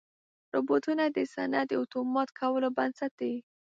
روبوټونه د صنعت د اتومات کولو بنسټ دي.